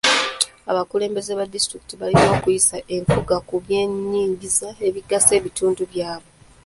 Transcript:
Abakulembeze ba disitulikiti balina okuyisa enfuga ku by'ennyingiza ebigasa ebitundu byabwe.